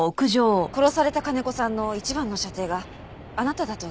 殺された金子さんの一番の舎弟があなただと聞いたので。